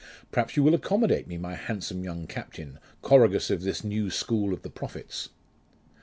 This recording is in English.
Perhaps you will accommodate me, my handsome young captain, choragus of this new school of the prophets?